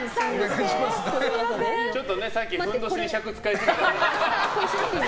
ちょっとさっきふんどしに尺使いすぎたから。